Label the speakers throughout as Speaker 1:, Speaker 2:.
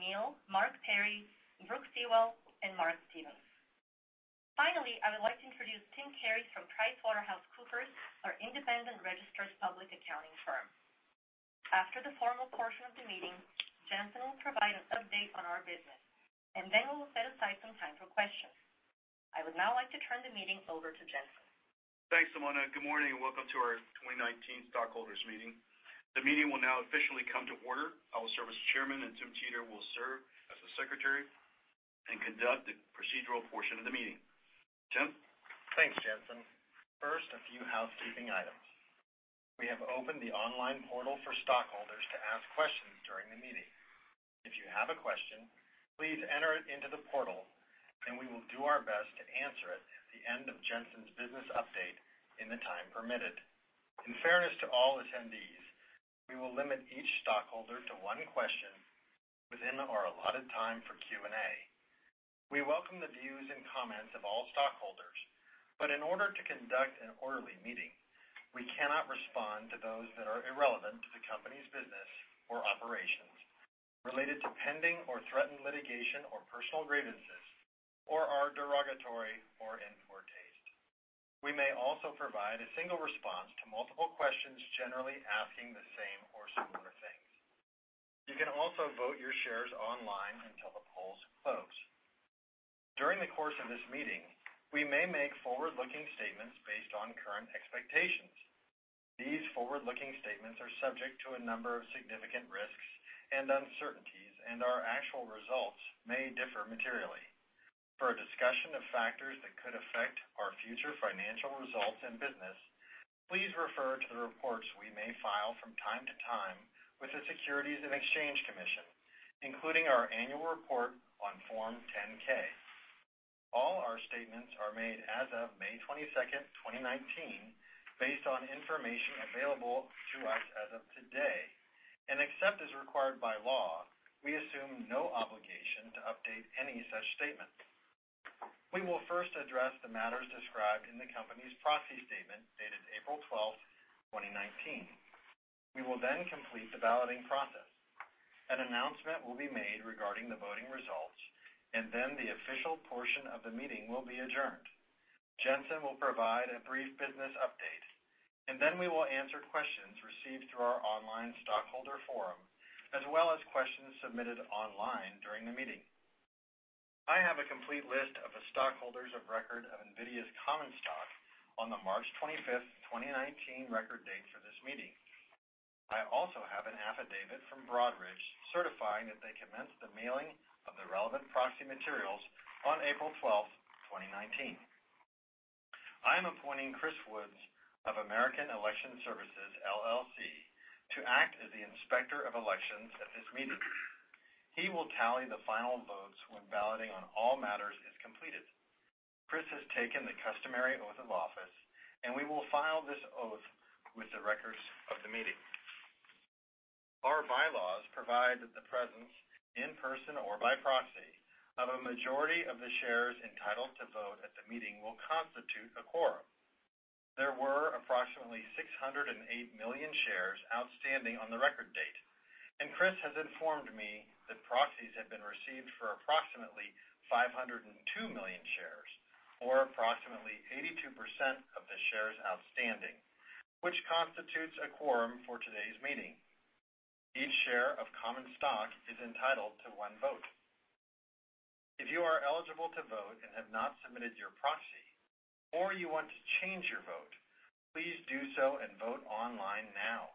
Speaker 1: Neal, Mark Perry, A. Brooke Seawell, and Mark Stevens. Finally, I would like to iI would now like to turn the meeting over to Jensen.
Speaker 2: Thanks, Simona. Good morning and welcome to our 2019 stockholders meeting. The meeting will now officially come to order. I will serve as chairman. Tim Teter will serve as the secretary and conduct the procedural portion of the meeting. Tim?
Speaker 3: Thanks, Jensen. First, a few housekeeping items. We have opened the online portal for stockholders to ask questions during the meeting. If you have a question, please enter it into the portal. We will do our best to answer it at the end of Jensen's business update in the time permitted. In fairness to all attendees, we will limit each stockholder to one question within our allotted time for Q&A. We welcome the views and comments of all stockholders. In order to conduct an orderly meeting, we cannot respond to those that are irrelevant to the company's business or operations, related to pending or threatened litigation or personal grievances, or are derogatory or in poor taste. We may also provide a single response to multiple questions generally asking the same or similar things. You can also vote your shares online until the polls close. During the course of this meeting, we may make forward-looking statements based on current expectations. These forward-looking statements are subject to a number of significant risks and uncertainties, and our actual results may differ materially. For a discussion of factors that could affect our future financial results and business, please refer to the reports we may file from time to time with the Securities and Exchange Commission, including our annual report on Form 10-K. All our statements are made as of May 22nd, 2019, based on information available to us as of today, except as required by law, we assume no obligation to update any such statements. We will first address the matters described in the company's proxy statement dated April 12th, 2019. Then we will complete the balloting process. An announcement will be made regarding the voting results, then the official portion of the meeting will be adjourned. Jensen will provide a brief business update, then we will answer questions received through our online stockholder forum, as well as questions submitted online during the meeting. I have a complete list of the stockholders of record of NVIDIA's common stock on the March 25th, 2019, record date for this meeting. I also have an affidavit from Broadridge certifying that they commenced the mailing of the relevant proxy materials on April 12th, 2019. I am appointing Chris Woods of American Election Services, LLC to act as the inspector of elections at this meeting. He will tally the final votes when balloting on all matters is completed. Chris has taken the customary oath of office, we will file this oath with the records of the meeting. Our bylaws provide that the presence, in person or by proxy, of a majority of the shares entitled to vote at the meeting will constitute a quorum. There were approximately 608 million shares outstanding on the record date, Chris has informed me that proxies have been received for approximately 502 million shares or approximately 82% of the shares outstanding, which constitutes a quorum for today's meeting. Each share of common stock is entitled to one vote. If you are eligible to vote and have not submitted your proxy or you want to change your vote, please do so and vote online now.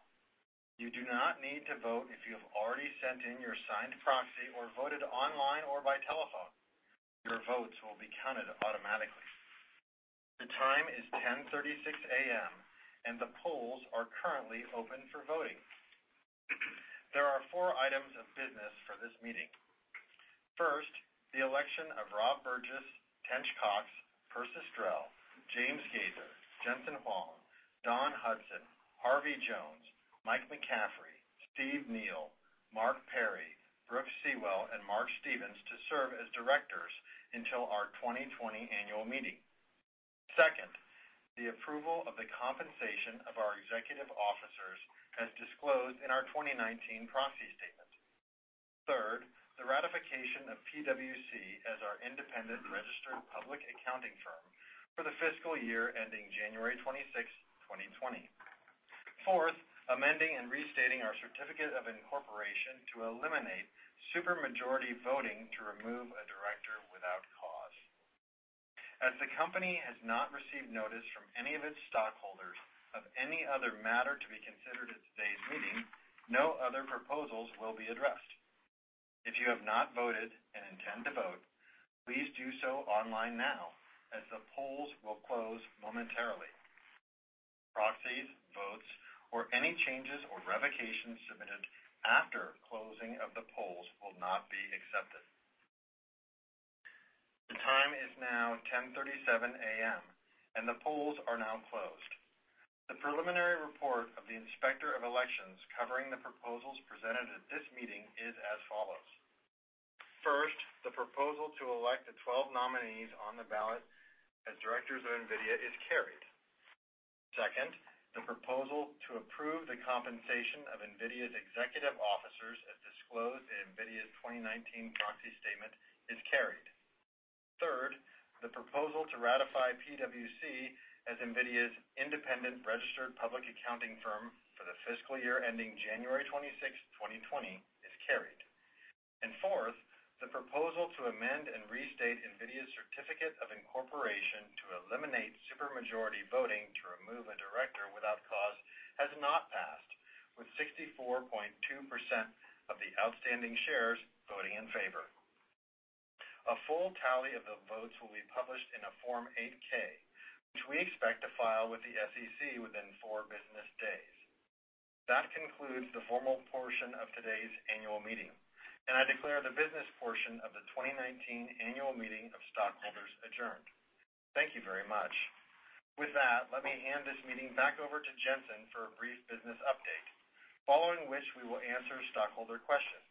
Speaker 3: You do not need to vote if you have already sent in your signed proxy or voted online or by telephone. Your votes will be counted automatically. The time is 10:36 A.M., the polls are currently open for voting. There are four items of business for this meeting. First, the election of Rob Burgess, Tench Coxe, Persis Drell, James Gaither, Jensen Huang, Dawn Hudson, Harvey Jones, Mike McCaffery, Steve Neal, Mark Perry, Brooke Seawell, and Mark Stevens to serve as directors until our 2020 annual meeting. Second, the approval of the compensation of our executive officers as disclosed in our 2019 proxy statement. Third, the ratification of PwC as our independent registered public accounting firm for the fiscal year ending January 26th, 2020. Fourth, amending and restating our certificate of incorporation to eliminate super majority voting to remove a director. The company has not received notice from any of its stockholders of any other matter to be considered at today's meeting. No other proposals will be addressed. If you have not voted and intend to vote, please do so online now, as the polls will close momentarily. Proxies, votes, or any changes or revocations submitted after closing of the polls will not be accepted. The time is now and the polls are now closed. The preliminary report of the inspector of elections covering the proposals presented at this meeting is as follows. First, the proposal to elect the 12 nominees on the ballot as directors of NVIDIA is carried. Second, the proposal to approve the compensation of NVIDIA's executive officers as disclosed in NVIDIA's 2019 proxy statement is carried. Third, the proposal to ratify PwC as NVIDIA's independent registered public accounting firm for the fiscal year ending January 26th, 2020 is carried. Fourth, the proposal to amend and restate NVIDIA's certificate of incorporation to eliminate super majority voting to remove a director without cause has not passed, with 64.2% of the outstanding shares voting in favor. A full tally of the votes will be published in a Form 8-K, which we expect to file with the SEC within four business days. That concludes the formal portion of today's annual meeting, and I declare the business portion of the 2019 annual meeting of stockholders adjourned. Thank you very much. With that, let me hand this meeting back over to Jensen for a brief business update, following which we will answer stockholder questions.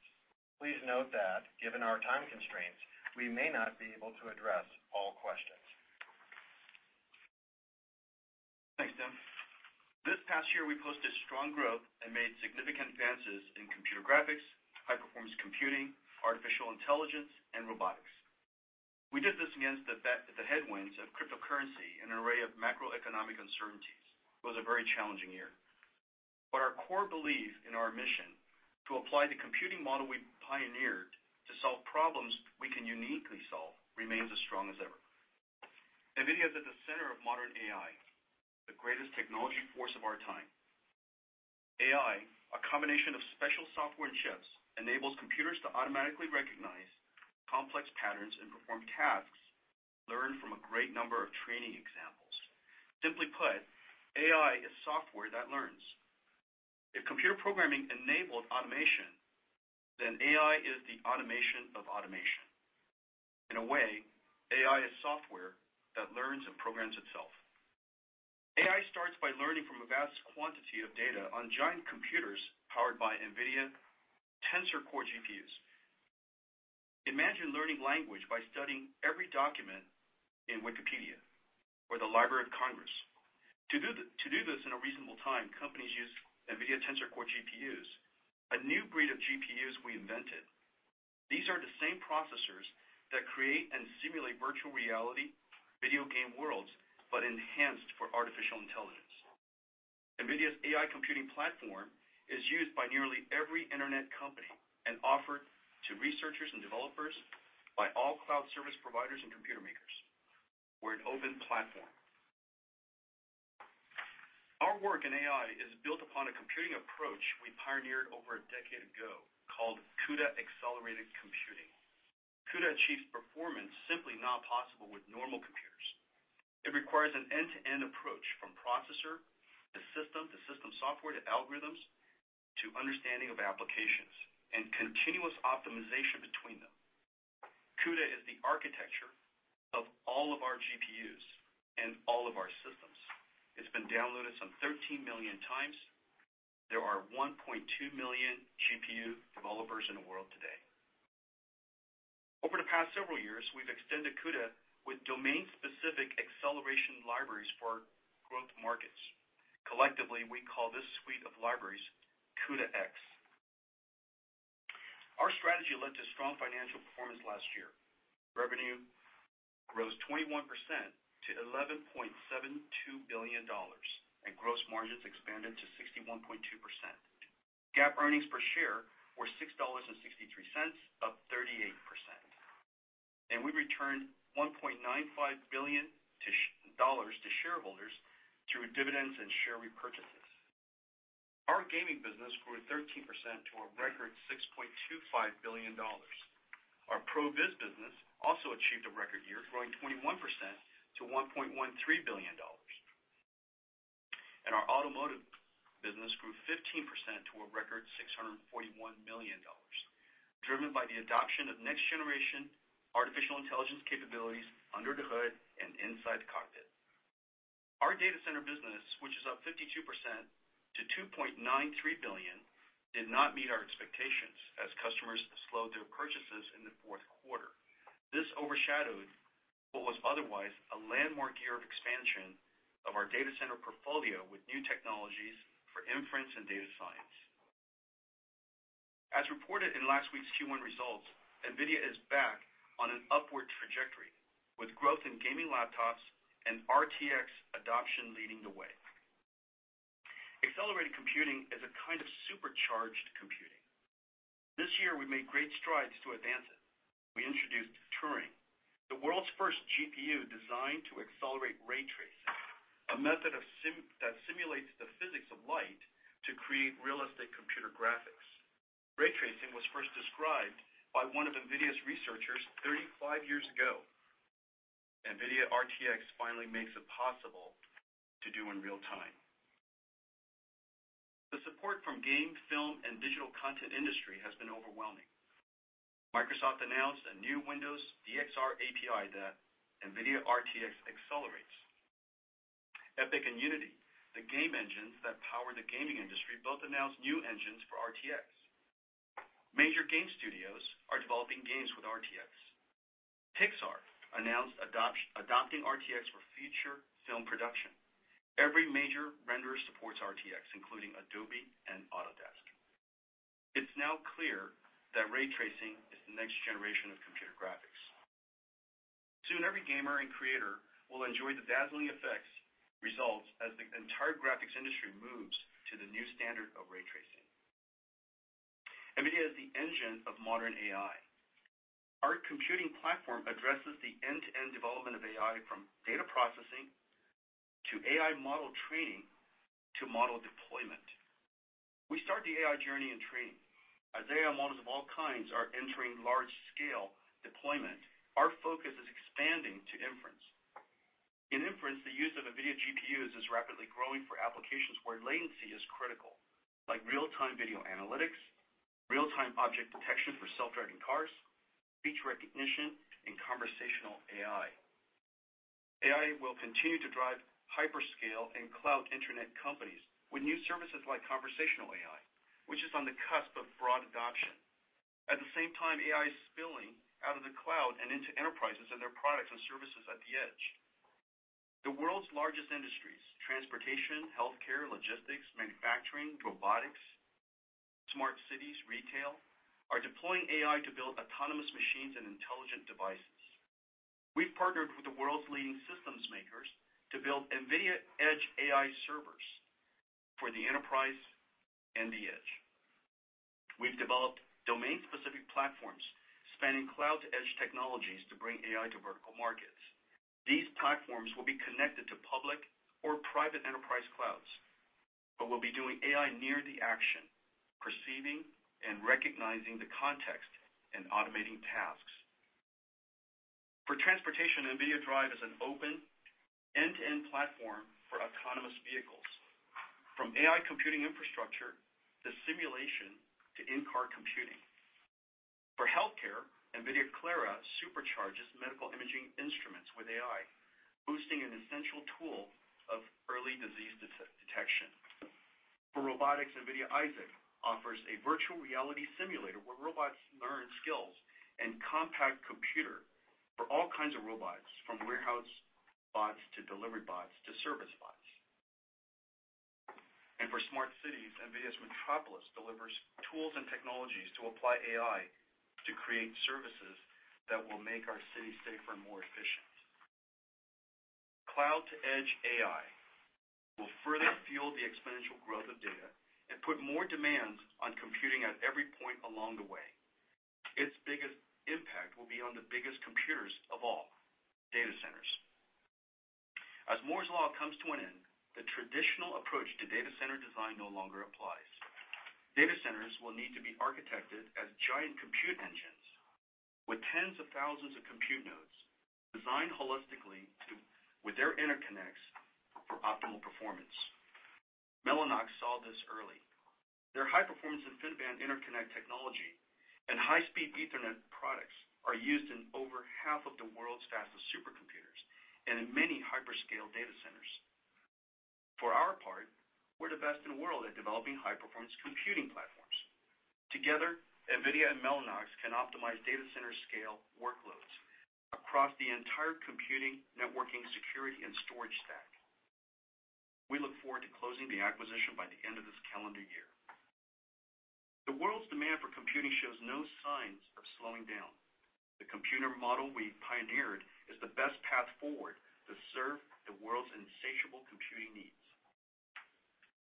Speaker 3: Please note that, given our time constraints, we may not be able to address all questions.
Speaker 2: Thanks, Tim. This past year, we posted strong growth and made significant advances in computer graphics, high-performance computing, artificial intelligence, and robotics. We did this against the headwinds of cryptocurrency and an array of macroeconomic uncertainties. It was a very challenging year. Our core belief in our mission to apply the computing model we pioneered to solve problems we can uniquely solve remains as strong as ever. NVIDIA is at the center of modern AI, the greatest technology force of our time. AI, a combination of special software and chips, enables computers to automatically recognize complex patterns and perform tasks learned from a great number of training examples. Simply put, AI is software that learns. If computer programming enabled automation, then AI is the automation of automation. In a way, AI is software that learns and programs itself. AI starts by learning from a vast quantity of data on giant computers powered by NVIDIA Tensor Core GPUs. Imagine learning language by studying every document in Wikipedia or the Library of Congress. To do this in a reasonable time, companies use NVIDIA Tensor Core GPUs, a new breed of GPUs we invented. These are the same processors that create and simulate virtual reality video game worlds, but enhanced for artificial intelligence. NVIDIA's AI computing platform is used by nearly every internet company and offered to researchers and developers by all cloud service providers and computer makers. We're an open platform. Our work in AI is built upon a computing approach we pioneered over a decade ago called CUDA-accelerated computing. CUDA achieves performance simply not possible with normal computers. It requires an end-to-end approach from processor to system to system software to algorithms to understanding of applications and continuous optimization between them. CUDA is the architecture of all of our GPUs and all of our systems. It's been downloaded some 13 million times. There are 1.2 million GPU developers in the world today. Over the past several years, we've extended CUDA with domain-specific acceleration libraries for our growth markets. Collectively, we call this suite of libraries CUDA-X. Our strategy led to strong financial performance last year. Revenue grows 21% to $11.72 billion, and gross margins expanded to 61.2%. GAAP earnings per share were $6.63, up 38%. We returned $1.95 billion to shareholders through dividends and share repurchases. Our gaming business grew 13% to a record $6.25 billion. Our pro viz business also achieved a record year, growing 21% to $1.13 billion. Our automotive business grew 15% to a record $641 million, driven by the adoption of next generation artificial intelligence capabilities under the hood and inside the cockpit. Our data center business, which is up 52% to $2.93 billion, did not meet our expectations as customers slowed their purchases in the fourth quarter. This overshadowed what was otherwise a landmark year of expansion of our data center portfolio with new technologies for inference and data science. As reported in last week's Q1 results, NVIDIA is back on an upward trajectory with growth in gaming laptops and RTX adoption leading the way. Accelerated computing is a kind of supercharged computing. This year, we made great strides to advance it. We introduced Turing, the world's first GPU designed to accelerate ray tracing, a method that simulates the physics of light to create realistic computer graphics. Ray tracing was first described by one of NVIDIA's researchers 35 years ago. NVIDIA RTX finally makes it possible to do in real time. The support from game, film, and digital content industry has been overwhelming. Microsoft announced a new Windows DXR API that NVIDIA RTX accelerates. Epic and Unity, the game engines that power the gaming industry, both announced new engines for RTX. Major game studios are developing games with RTX. Pixar announced adopting RTX for future film production. Every major renderer supports RTX, including Adobe and Autodesk. It's now clear that ray tracing is the next generation of computer graphics. Soon, every gamer and creator will enjoy the dazzling effects results as the entire graphics industry moves to the new standard of ray tracing. NVIDIA is the engine of modern AI. Our computing platform addresses the end-to-end development of AI, from data processing to AI model training, to model deployment. We start the AI journey in training. As AI models of all kinds are entering large-scale deployment, our focus is expanding to inference. In inference, the use of NVIDIA GPUs is rapidly growing for applications where latency is critical, like real-time video analytics, real-time object detection for self-driving cars, speech recognition, and conversational AI. AI will continue to drive hyperscale and cloud internet companies with new services like conversational AI, which is on the cusp of broad adoption. At the same time, AI is spilling out of the cloud and into enterprises and their products and services at the edge. The world's largest industries, transportation, healthcare, logistics, manufacturing, robotics, smart cities, retail, are deploying AI to build autonomous machines and intelligent devices. We've partnered with the world's leading systems makers to build NVIDIA Edge AI servers for the enterprise and the edge. We've developed domain-specific platforms spanning cloud-to-edge technologies to bring AI to vertical markets. These platforms will be connected to public or private enterprise clouds but will be doing AI near the action, perceiving and recognizing the context, and automating tasks. For transportation, NVIDIA DRIVE is an open, end-to-end platform for autonomous vehicles, from AI computing infrastructure, to simulation, to in-car computing. For healthcare, NVIDIA Clara supercharges medical imaging instruments with AI, boosting an essential tool of early disease detection. For robotics, NVIDIA Isaac offers a virtual reality simulator where robots learn skills and compact computer for all kinds of robots, from warehouse bots to delivery bots, to service bots. For smart cities, NVIDIA Metropolis delivers tools and technologies to apply AI to create services that will make our cities safer and more efficient. Cloud to edge AI will further fuel the exponential growth of data and put more demands on computing at every point along the way. Its biggest impact will be on the biggest computers of all, data centers. As Moore's law comes to an end, the traditional approach to data center design no longer applies. Data centers will need to be architected as giant compute engines with tens of thousands of compute nodes designed holistically with their interconnects for optimal performance. Mellanox saw this early. Their high-performance InfiniBand interconnect technology and high-speed Ethernet products are used in over half of the world's fastest supercomputers and in many hyperscale data centers. For our part, we're the best in the world at developing high-performance computing platforms. Together, NVIDIA and Mellanox can optimize data center scale workloads across the entire computing, networking, security, and storage stack. We look forward to closing the acquisition by the end of this calendar year. The world's demand for computing shows no signs of slowing down. The computer model we pioneered is the best path forward to serve the world's insatiable computing needs.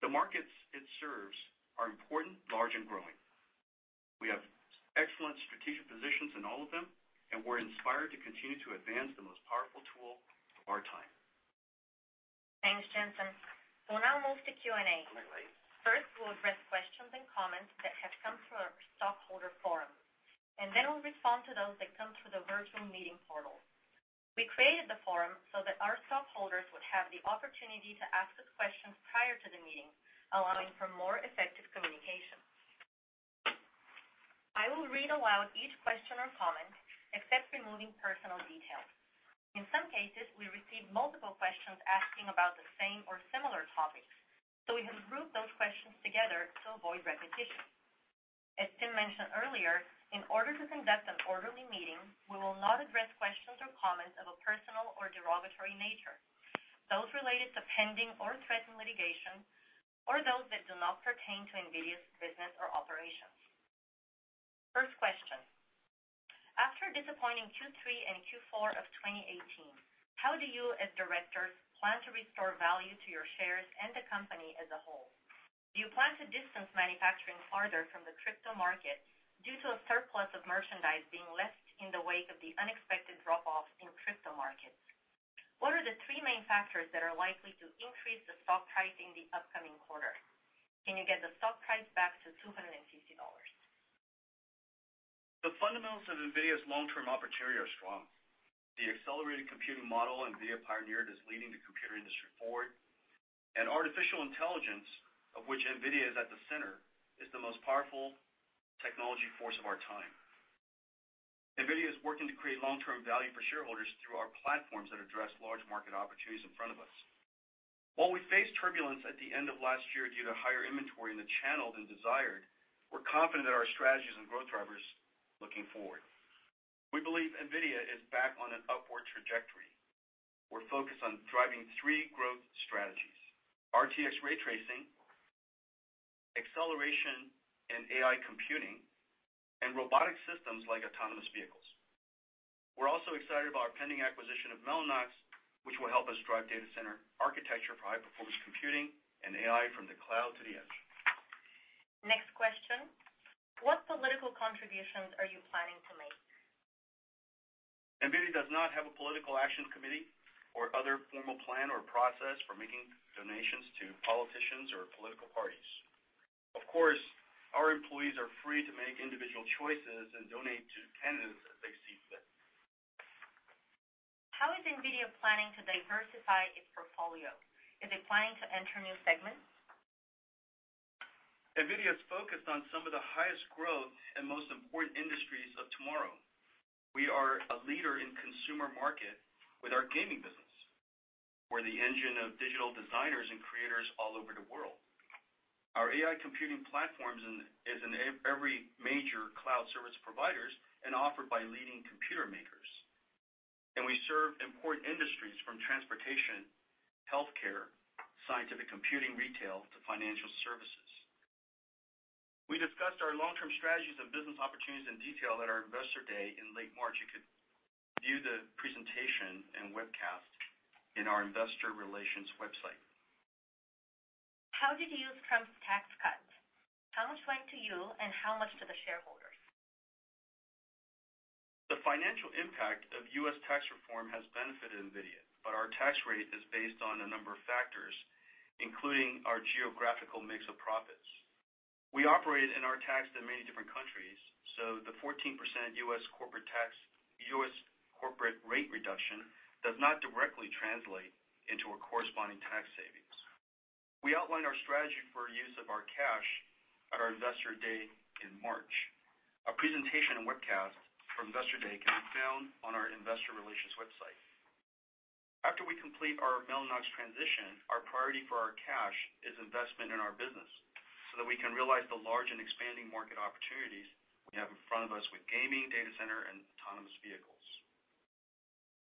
Speaker 2: The markets it serves are important, large, and growing. We're inspired to continue to advance the most powerful tool of our time.
Speaker 1: Thanks, Jensen. We'll now move to Q&A. First, we'll address questions and comments that have come through our stockholder forum. Then we'll respond to those that come through the virtual meeting portal. We created the forum so that our stockholders would have the opportunity to ask those questions prior to the meeting, allowing for more effective communication. I will read aloud each question or comment, except removing personal details. In some cases, we received multiple questions asking about the same or similar topics. We have grouped those questions together to avoid repetition. As Tim mentioned earlier, in order to conduct an orderly meeting, we will not address questions or comments of a personal or derogatory nature, those related to pending or threatened litigation, or those that do not pertain to NVIDIA's business or operations. Disappointing Q3 and Q4 of 2018. How do you, as directors, plan to restore value to your shares and the company as a whole? Do you plan to distance manufacturing farther from the crypto market due to a surplus of merchandise being left in the wake of the unexpected drop-offs in crypto markets? What are the three main factors that are likely to increase the stock price in the upcoming quarter? Can you get the stock price back to $250?
Speaker 2: The fundamentals of NVIDIA's long-term opportunity are strong. The accelerated computing model NVIDIA pioneered is leading the computer industry forward, and artificial intelligence, of which NVIDIA is at the center, is the most powerful technology force of our time. NVIDIA is working to create long-term value for shareholders through our platforms that address large market opportunities in front of us. While we faced turbulence at the end of last year due to higher inventory in the channel than desired, we're confident in our strategies and growth drivers looking forward. We believe NVIDIA is back on an upward trajectory. We're focused on driving three growth strategies, NVIDIA RTX ray tracing, acceleration in AI computing, and robotic systems like autonomous vehicles. We're also excited about our pending acquisition of Mellanox, which will help us drive data center architecture for high-performance computing and AI from the cloud to the edge.
Speaker 1: Next question. What political contributions are you planning to make?
Speaker 2: NVIDIA does not have a political action committee or other formal plan or process for making donations to politicians or political parties. Of course, our employees are free to make individual choices and donate to candidates as they see fit.
Speaker 1: How is NVIDIA planning to diversify its portfolio? Is it planning to enter new segments?
Speaker 2: NVIDIA is focused on some of the highest growth and most important industries of tomorrow. We are a leader in consumer market with our gaming business. We're the engine of digital designers and creators all over the world. Our AI computing platforms is in every major cloud service providers and offered by leading computer makers. We serve important industries from transportation, healthcare, scientific computing, retail, to financial services. We discussed our long-term strategies and business opportunities in detail at our investor day in late March. You could view the presentation and webcast in our investor relations website.
Speaker 1: How did you use Trump's tax cuts? How much went to you, and how much to the shareholders?
Speaker 2: The financial impact of U.S. tax reform has benefited NVIDIA, our tax rate is based on a number of factors, including our geographical mix of profits. We operate and are taxed in many different countries, so the 14% U.S. corporate rate reduction does not directly translate into a corresponding tax savings. We outlined our strategy for use of our cash at our investor day in March. Our presentation and webcast from investor day can be found on our investor relations website. After we complete our Mellanox transition, our priority for our cash is investment in our business so that we can realize the large and expanding market opportunities we have in front of us with gaming, data center, and autonomous vehicles.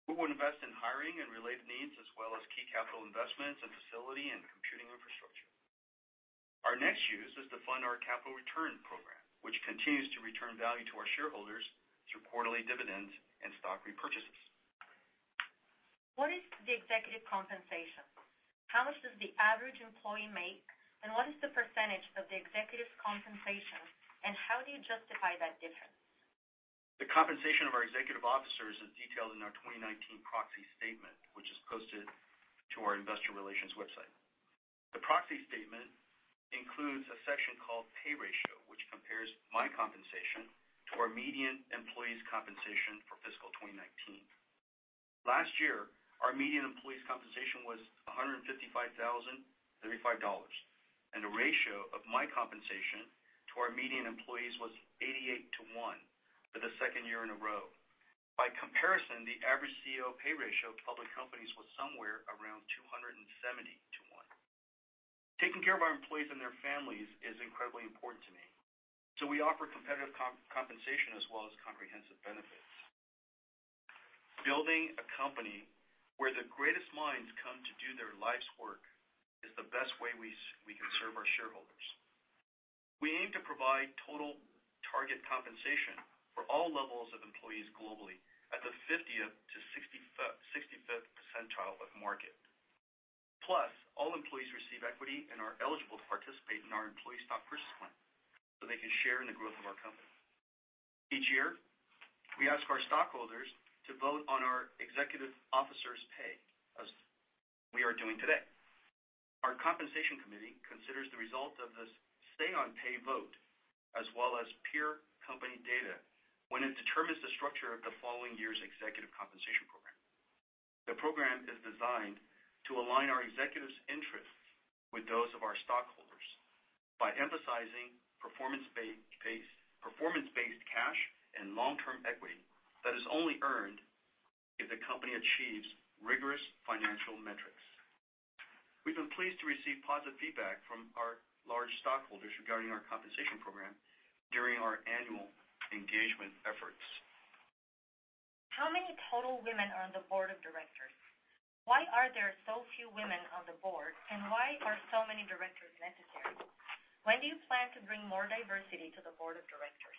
Speaker 2: We will invest in hiring and related needs as well as key capital investments in facility and computing infrastructure. Our next use is to fund our capital return program, which continues to return value to our shareholders through quarterly dividends and stock repurchases.
Speaker 1: What is the executive compensation? How much does the average employee make, and what is the percentage of the executive's compensation, and how do you justify that difference?
Speaker 2: The compensation of our executive officers is detailed in our 2019 proxy statement, which is posted to our investor relations website. The proxy statement includes a section called Pay Ratio, which compares my compensation to our median employee's compensation for fiscal 2019. Last year, our median employee's compensation was $155,035, and the ratio of my compensation to our median employees was 88 to one for the second year in a row. By comparison, the average CEO pay ratio of public companies was somewhere around 270 to one. We offer competitive compensation as well as comprehensive benefits. Building a company where the greatest minds come to do their life's work is the best way we can serve our shareholders. We aim to provide total target compensation for all levels of employees globally at the 50th to 65th percentile of market. All employees receive equity and are eligible to participate in our employee stock purchase plan so they can share in the growth of our company. Each year, we ask our stockholders to vote on our executive officers' pay, as we are doing today. Our compensation committee considers the result of this say on pay vote as well as peer company data when it determines the structure of the following year's executive compensation program. The program is designed to align our executives' interests with those of our stockholders by emphasizing performance-based cash and long-term equity that is only earned if the company achieves rigorous financial metrics. We've been pleased to receive positive feedback from our large stockholders regarding our compensation program during our annual engagement efforts.
Speaker 1: How many total women are on the board of directors? Why are there so few women on the board, and why are so many directors necessary? When do you plan to bring more diversity to the board of directors?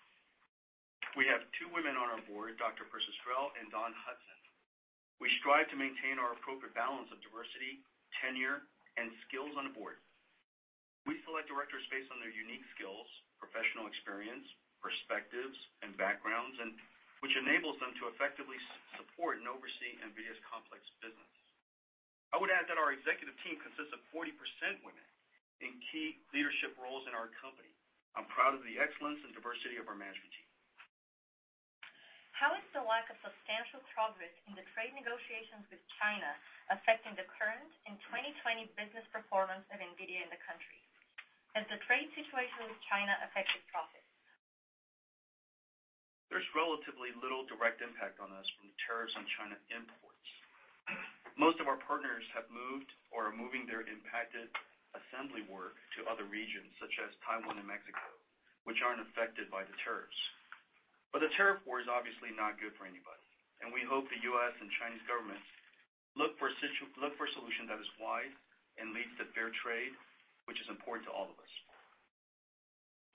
Speaker 2: We have two women on our board, Dr. Persis Drell and Dawn Hudson. We strive to maintain our appropriate balance of diversity, tenure, and skills on the board. We select directors based on their unique skills, professional experience, perspectives, and backgrounds, which enables them to effectively support and oversee NVIDIA's complex business. I would add that our executive team consists of 40% women in key leadership roles in our company. I'm proud of the excellence and diversity of our management team.
Speaker 1: How is the lack of substantial progress in the trade negotiations with China affecting the current and 2020 business performance of NVIDIA in the country? Has the trade situation with China affected profits?
Speaker 2: There's relatively little direct impact on us from the tariffs on China imports. Most of our partners have moved or are moving their impacted assembly work to other regions such as Taiwan and Mexico, which aren't affected by the tariffs. The tariff war is obviously not good for anybody, and we hope the U.S. and Chinese governments look for a solution that is wise and leads to fair trade, which is important to all of us.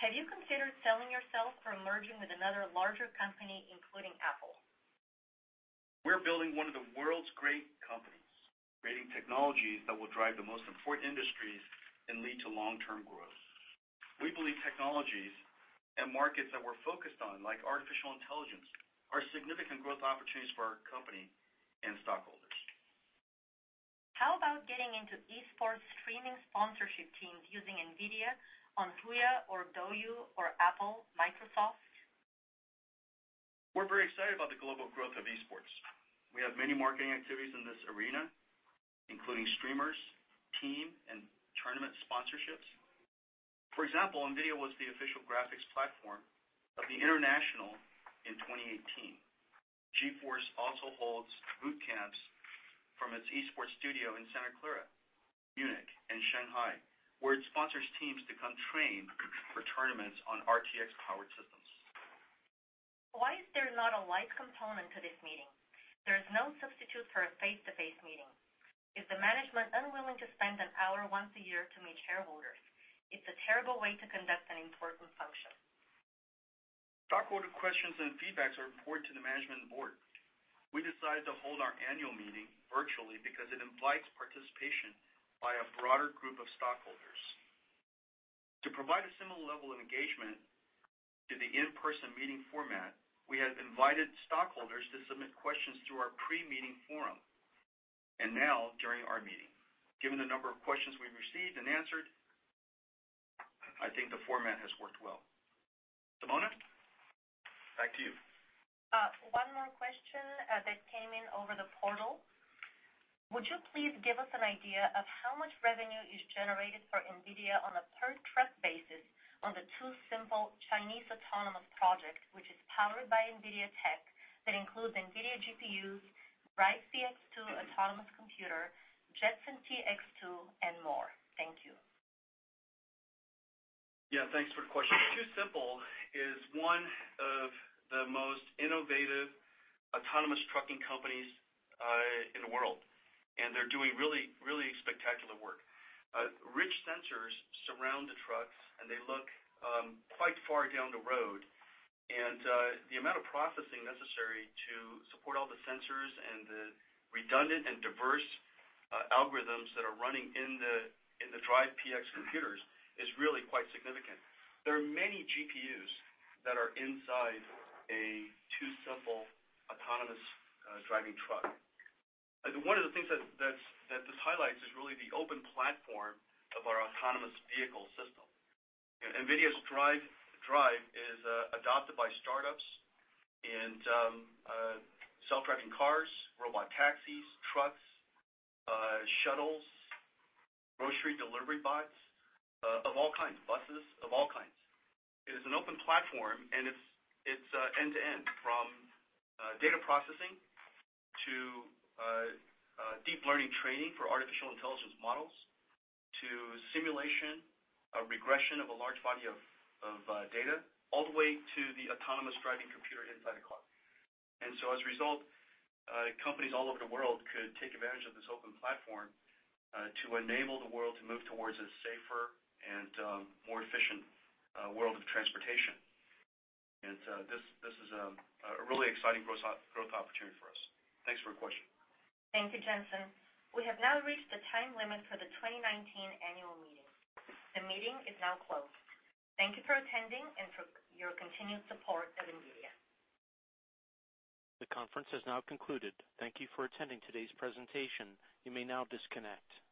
Speaker 1: Have you considered selling yourself or merging with another larger company, including Apple?
Speaker 2: We're building one of the world's great companies, creating technologies that will drive the most important industries and lead to long-term growth. We believe technologies and markets that we're focused on, like artificial intelligence, are significant growth opportunities for our company and stockholders.
Speaker 1: How about getting into esports streaming sponsorship teams using NVIDIA on Huya or DouYu or Apple, Microsoft?
Speaker 2: We're very excited about the global growth of esports. We have many marketing activities in this arena, including streamers, team, and tournament sponsorships. For example, NVIDIA was the official graphics platform of The International in 2018. GeForce also holds boot camps from its esports studio in Santa Clara, Munich, and Shanghai, where it sponsors teams to come train for tournaments on RTX-powered systems.
Speaker 1: Why is there not a live component to this meeting? There is no substitute for a face-to-face meeting. Is the management unwilling to spend an hour once a year to meet shareholders? It's a terrible way to conduct an important function.
Speaker 2: Stockholder questions and feedbacks are important to the management and board. We decided to hold our annual meeting virtually because it invites participation by a broader group of stockholders. To provide a similar level of engagement to the in-person meeting format, we have invited stockholders to submit questions through our pre-meeting forum, and now during our meeting. Given the number of questions we've received and answered, I think the format has worked well. Simona, back to you.
Speaker 1: One more question that came in over the portal. Would you please give us an idea of how much revenue is generated for NVIDIA on a per-truck basis on the TuSimple Chinese autonomous project, which is powered by NVIDIA tech that includes NVIDIA GPUs, DRIVE PX 2 autonomous computer, Jetson TX2, and more? Thank you.
Speaker 2: Yeah, thanks for the question. TuSimple is one of the most innovative autonomous trucking companies in the world. They're doing really spectacular work. Rich sensors surround the trucks. They look quite far down the road. The amount of processing necessary to support all the sensors and the redundant and diverse algorithms that are running in the DRIVE PX computers is really quite significant. There are many GPUs that are inside a TuSimple autonomous driving truck. One of the things that this highlights is really the open platform of our autonomous vehicle system. NVIDIA's DRIVE is adopted by startups in self-driving cars, robot taxis, trucks, shuttles, grocery delivery bots of all kinds, buses of all kinds. It is an open platform, it's end-to-end from data processing to deep learning training for artificial intelligence models to simulation, a regression of a large body of data, all the way to the autonomous driving computer inside a car. As a result, companies all over the world could take advantage of this open platform to enable the world to move towards a safer and more efficient world of transportation. This is a really exciting growth opportunity for us. Thanks for your question.
Speaker 1: Thank you, Jensen. We have now reached the time limit for the 2019 annual meeting. The meeting is now closed. Thank you for attending and for your continued support of NVIDIA.
Speaker 4: The conference has now concluded. Thank you for attending today's presentation. You may now disconnect.